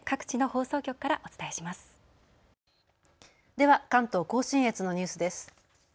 では関東甲信越のニュースです。